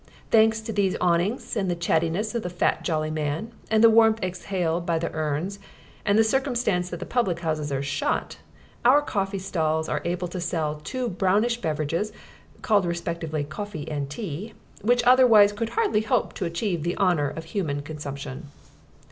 Thanks to these awnings, and the chattiness of the fat, jolly man, and the warmth exhaled by the urns, and the circumstance that the public houses are shut, our coffee stalls are able to sell two brownish beverages, called respectively coffee and tea, which otherwise could hardly hope to achieve the honour of human consumption.